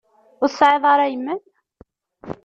Ur tesɛiḍ ara yemma-m?